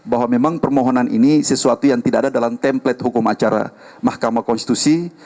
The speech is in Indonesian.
bahwa memang permohonan ini sesuatu yang tidak ada dalam template hukum acara mahkamah konstitusi